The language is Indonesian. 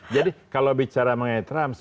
jadi kalau bicara mengenai trump